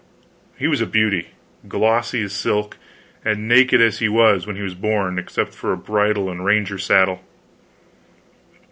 He was a beauty, glossy as silk, and naked as he was when he was born, except for bridle and ranger saddle.